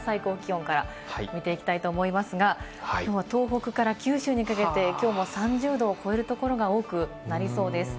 最高気温から見ていきたいと思いますが、東北から九州にかけて、きょうも３０℃を超えるところが多くなりそうです。